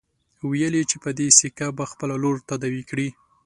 ويل يې چې په دې سيکه به خپله لور تداوي کړي.